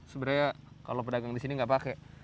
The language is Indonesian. sebenarnya kalau pedagang di sini nggak pakai